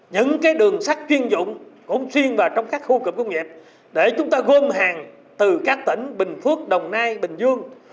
những đường sắt chuyên dụng cũng riêng vào trong các khu cục công nghiệp để chúng ta gom hàng từ các tỉnh bình phước đồng nai bình dương